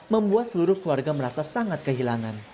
membuat seluruh keluarga merasa sangat kehilangan